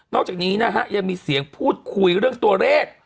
อกจากนี้นะฮะยังมีเสียงพูดคุยเรื่องตัวเลข